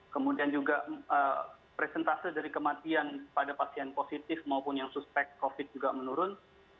kemudian juga presentase dari kematian pada pasien positif maupun yang suspek covid juga menurun